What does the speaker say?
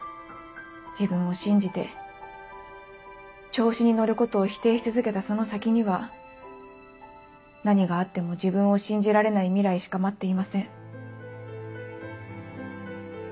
自分を信じて調子に乗ることを否定し続けたその先には何があっても自分を信じられない未来しか待っていません。